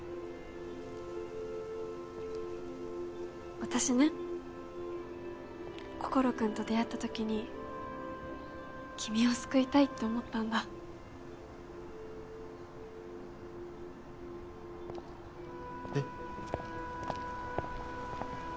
私ね心君と出会ったときに君を救いたいって思ったんだえっ？